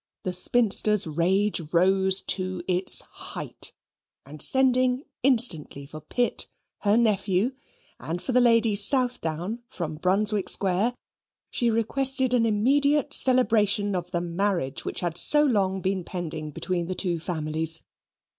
The spinster's rage rose to its height, and sending instantly for Pitt, her nephew, and for the Lady Southdown, from Brunswick Square, she requested an immediate celebration of the marriage which had been so long pending between the two families.